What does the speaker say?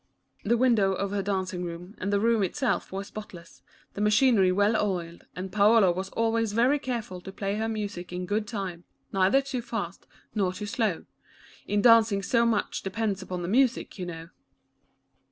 The window of her dancing room, and the room itself were spotless, the machinery well oiled, and Paolo was always very careful to play her music in good time, neither too fast nor too slow — in dancing so much depends upon the music, you know.